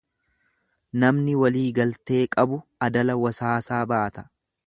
Namni waliigaltee qabu adala wasaasaa baata.